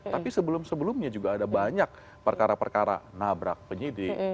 tapi sebelum sebelumnya juga ada banyak perkara perkara nabrak penyidik